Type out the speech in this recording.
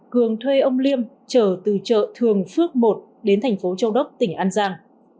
cường thuê ông liêm trở từ chợ thường phước một đến thành phố châu đốc tỉnh an giang